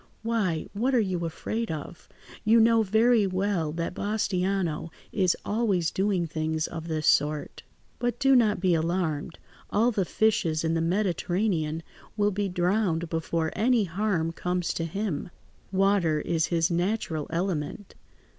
"Why, what are you afraid of? You know very well that Bastiano is always doing things of this sort. But do not be alarmed: all the fishes in the Mediterranean will be drowned before any harm comes to him. Water is his natural element.